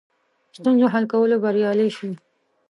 ستونزو حل کولو بریالي شوي.